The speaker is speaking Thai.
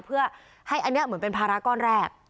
เพื่อให้อันนี้เหมือนเป็นภาระก้อนแรก